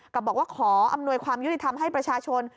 บอกว่าขออำนวยความยุติธรรมให้ประชาชน